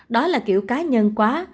đó là kiểu cá nhân quá